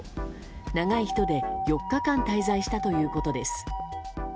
長い人で４日間滞在したということです。